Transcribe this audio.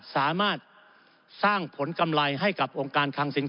สามารถสร้างผลกำไรให้กับองค์การคังสิน